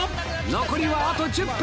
残りはあと１０分！